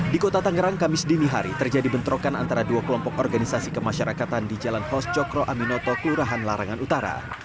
di kota tangerang kamis dini hari terjadi bentrokan antara dua kelompok organisasi kemasyarakatan di jalan hos cokro aminoto kelurahan larangan utara